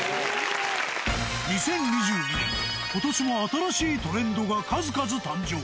２０２２年、ことしも新しいトレンドが数々誕生。